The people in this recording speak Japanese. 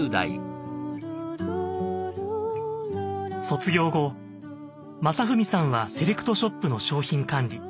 卒業後将史さんはセレクトショップの商品管理